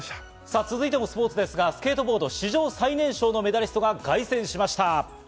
続いてもスポーツですが、スケートボード、史上最年少のメダリストが凱旋しました。